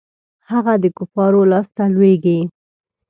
هغه د کفارو لاسته لویږي.